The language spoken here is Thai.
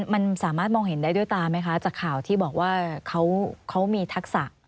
มันสามารถมองเห็นได้ด้วยตาไหมคะจากข่าวที่บอกว่าเขามีทักษะ